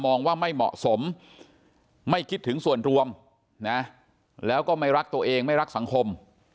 มองว่าไม่เหมาะสมไม่คิดถึงส่วนรวมนะแล้วก็ไม่รักตัวเองไม่รักสังคม